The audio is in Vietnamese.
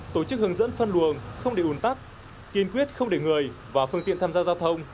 tổ chức hướng dẫn phân luồng không để ủn tắc kiên quyết không để người và phương tiện tham gia giao thông